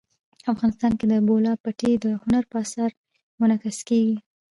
افغانستان کې د بولان پټي د هنر په اثار کې منعکس کېږي.